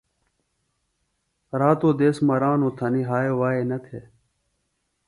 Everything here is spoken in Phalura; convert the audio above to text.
راتوۡ دیس مرانوۡ تھنیۡ ہائے وائے نہ تھے۔